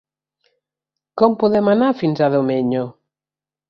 Com podem anar fins a Domenyo?